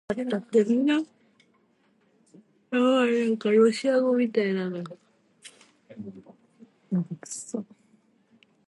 Җил агач башыннан, бәла адәм башыннан йөри.